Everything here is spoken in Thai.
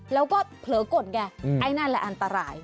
แล้วก็เผลอกดไงไอ้นั่นแหละอันตราย